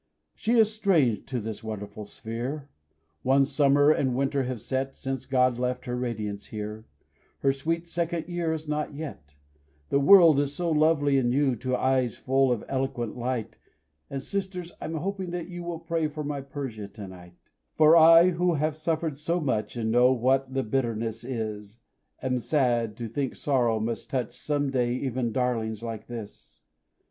She is strange to this wonderful sphere; One summer and winter have set Since God left her radiance here Her sweet second year is not yet. The world is so lovely and new To eyes full of eloquent light, And, sisters, I'm hoping that you Will pray for my Persia to night. For I, who have suffered so much, And know what the bitterness is, Am sad to think sorrow must touch Some day even darlings like this!